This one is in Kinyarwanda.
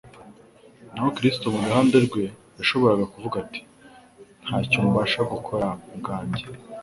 Naho Kristo mu ruhande rwe, yashoboraga kuvuga ati: «Ntacyo mbasha gukora ubwanjye,